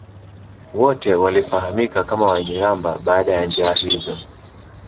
wote walifahamika kama Wanyiramba baada ya njaa hiyo